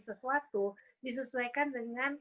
sesuatu disesuaikan dengan